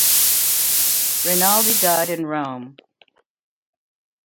Rainaldi died in Rome.